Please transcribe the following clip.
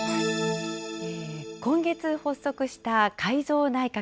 今月発足した改造内閣。